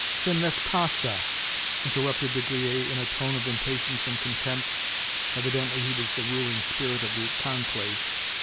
Ce n'est pas ça," interrupted De Griers in a tone of impatience and contempt (evidently he was the ruling spirit of the conclave).